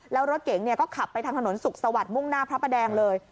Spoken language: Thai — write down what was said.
แล้วรถเก๋งก็ขับไปทางถนนสุขสวัสดิ์มุ่งหน้าพระประแดงเลย